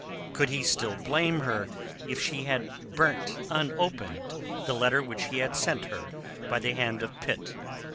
Could he still blame her if she had burnt unopened the letter which he had sent her by the hand of Pitt?